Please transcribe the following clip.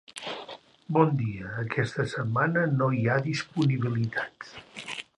Bon dia, aquesta setmana no hi ha disponibilitat.